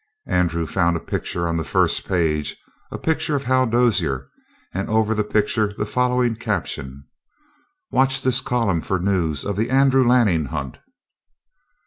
Andrew found a picture on the first page, a picture of Hal Dozier, and over the picture the following caption: "Watch this column for news of the Andrew Lanning hunt."